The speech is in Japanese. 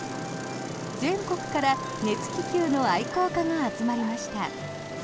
全国から熱気球の愛好家が集まりました。